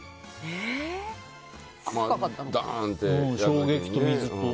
衝撃と水と。